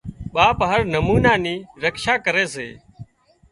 ٻاپ هر نمونا نِي رڪشا ڪري سي